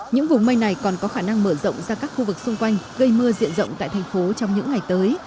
những vùng mây này còn có khả năng mở rộng ra các khu vực xung quanh gây mưa diện rộng tại thành phố trong những ngày tới